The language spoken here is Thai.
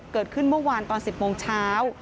เกิดขึ้นเมื่อวานตอน๑๐โมงเช้า